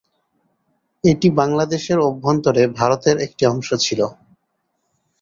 এটি বাংলাদেশের অভ্যন্তরে ভারতের একটি অংশ ছিল।